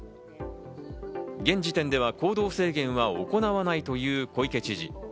現時点では行動制限は行わないという小池知事。